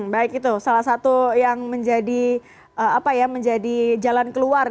baik itu salah satu yang menjadi jalan keluar